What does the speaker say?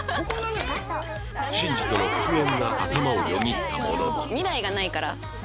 慎二との復縁が頭をよぎったものの